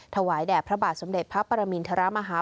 ถวายแด่พระบาทสมเด็จพระปรมินทรมาฮา